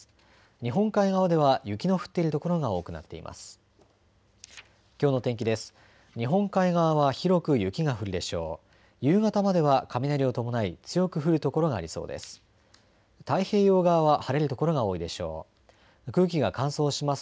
日本海側では雪の降っている所が多くなっています。